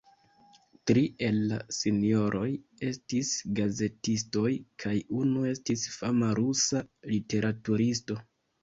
Tri el la sinjoroj estis gazetistoj kaj unu estis fama rusa literaturisto.